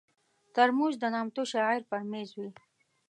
ترموز د نامتو شاعر پر مېز وي.